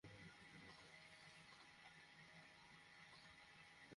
কীভাবে প্রতিকার চাইবেনভোক্তার অধিকার রক্ষার জন্য আইন অনুযায়ী রয়েছে ভোক্তা অধিকার সংরক্ষণ অধিদপ্তর।